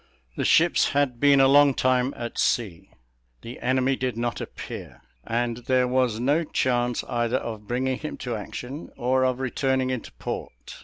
The ships had been a long time at sea, the enemy did not appear and there was no chance either of bringing him to action, or of returning into port.